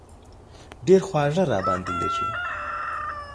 ډېر خواږه را باندې لږي.